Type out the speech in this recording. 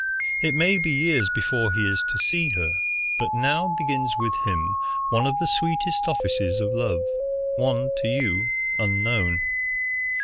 "It may be years before he is to see her, but now begins with him one of the sweetest offices of love, one to you unknown.